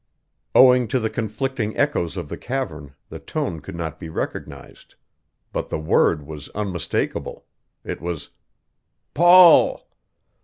Owing to the conflicting echoes of the cavern, the tone could not be recognized. But the word was unmistakable; it was "Paul."